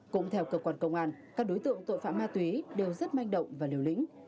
cũng theo cơ quan công an các đối tượng tội phạm ma túy đều rất manh động và liều lĩnh